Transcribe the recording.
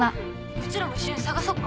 うちらも一緒に捜そっか？